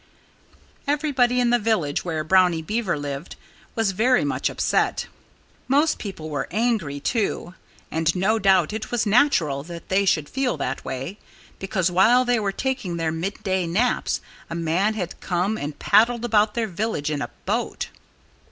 Everybody in the village where Brownie Beaver lived was very much upset. Most people were angry, too. And no doubt it was natural that they should feel that way, because while they were taking their midday naps a man had come and paddled about their village in a boat.